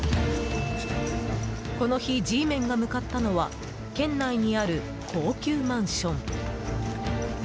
この日、Ｇメンが向かったのは県内にある高級マンション。